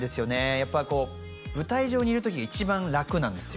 やっぱこう舞台上にいる時が一番楽なんですよ